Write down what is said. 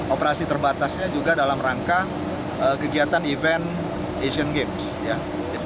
operasi terbatasnya juga dalam rangka kegiatan event asian games